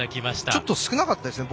ちょっと少なかったですね。